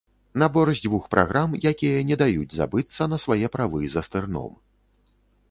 Набор з дзвюх праграм, якія не даюць не забыцца на свае правы за стырном.